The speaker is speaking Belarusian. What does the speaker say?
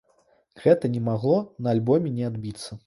Гэта не магло на альбоме не адбіцца.